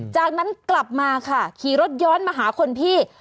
จากนั้นกลับมาค่ะขี่รถย้อนมาหาคนพี่